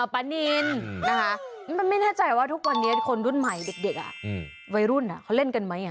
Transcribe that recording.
ปานินนะคะมันไม่แน่ใจว่าทุกวันนี้คนรุ่นใหม่เด็กวัยรุ่นเขาเล่นกันไหม